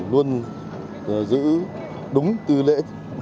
luôn giữ đúng tư lễ